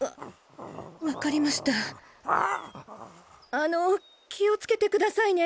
あの気を付けてくださいね